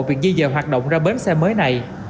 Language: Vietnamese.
việc di dời hoạt động ra bến xe mới này